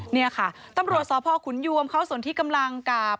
นี่ค่ะตำรวจสพขุนยวมเขาส่วนที่กำลังกับ